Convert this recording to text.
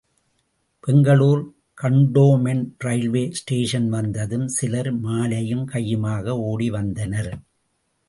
Bengaluru cantonment railway station வந்ததும் சிலர் மாலையும் கையுமாக ஓடிவந்தனர்.